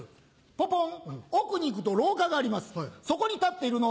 ポポン！